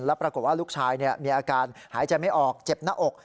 แล้วปรากฏว่าลูกชายมีอาการหายใจไม่ออกเจ็บหน้าอก